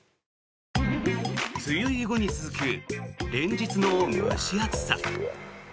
梅雨入り後に続く連日の蒸し暑さ。